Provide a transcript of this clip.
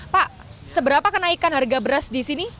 pak seberapa kenaikan harga beras di sini